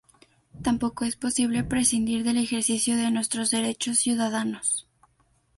Tampoco es posible prescindir del ejercicio de nuestros derechos ciudadanos.